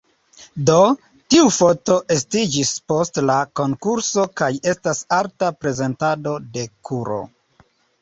Do, tiu foto estiĝis post la konkurso kaj estas arta prezentado de kuro.